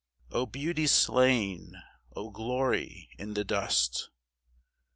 O beauty slain, O glory in the dust!